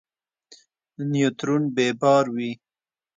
نیوترون بې بار وي.